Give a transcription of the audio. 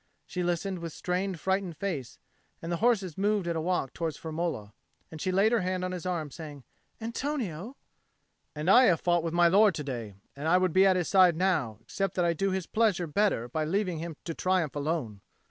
She listened with strained frightened face; and the horses moved at a walk towards Firmola. And she laid her hand on his arm, saying again, "Antonio!" "And I have fought with my lord to day, and I would be at his side now, except that I do his pleasure better by leaving him to triumph alone.